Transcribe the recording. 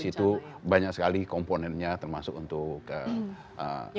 di situ banyak sekali komponennya termasuk untuk investasi